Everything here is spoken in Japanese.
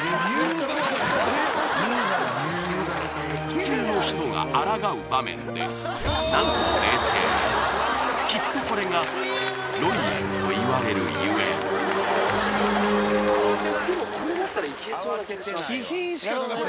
普通の人があらがう場面で何とも冷静きっとこれがロイヤルといわれるゆえんな気がします